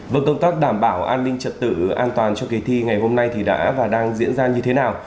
vâng công tác đảm bảo an ninh trật tự an toàn cho kỳ thi ngày hôm nay thì đã và đang diễn ra như thế nào